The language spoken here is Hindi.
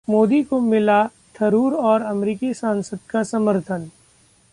मोदी को मिला थरूर और अमेरिकी सांसद का समर्थन